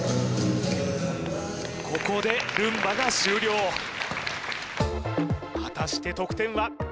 ここでルンバが終了果たして得点は？